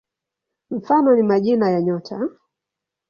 Mfano ni majina ya nyota.